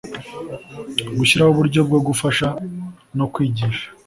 Gushyiraho uburyo bwo gufasha no kwigisha